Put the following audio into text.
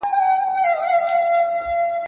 هغه د ملي خط په تعقيب بوخت و.